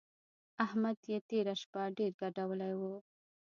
احمد يې تېره شپه ډېر ګډولی وو.